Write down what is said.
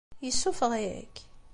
Yessuffeɣ-ik?